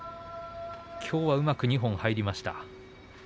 きょうはうまく二本入りました。